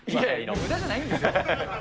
むだじゃないんですよ。